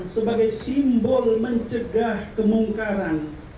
sebagai simbol mencegah kemungkaran